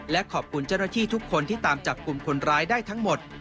และขอบคุณเจ้าหน้าที่ทุกคนที่ตามจับกลุ่มคนร้ายได้ทั้งหมด